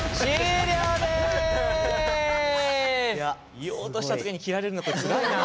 言おうとした時に切られるのこれつらいなあ。